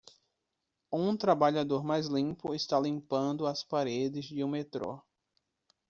Um trabalhador mais limpo está limpando as paredes de um metrô